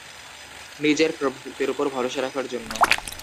নিজের প্রবৃত্তির ওপর ভরসা রাখার জন্য।